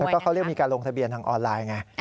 ก็เขาเรียกมีการลงทะเบียนทางออนไลน์ไง